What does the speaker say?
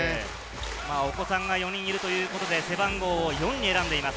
お子さんが４人いるということで背番号を４に選んでいます。